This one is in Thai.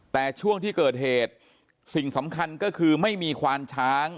แต่ช่วงที่เกิดเหตุสิ่งสำคัญก็คือไม่มีควานช้าง